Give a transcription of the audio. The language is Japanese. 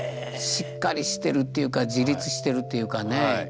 しっかりしてるっていうか自立してるっていうかね。